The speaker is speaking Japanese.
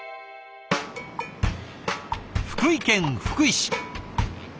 福井県福井市。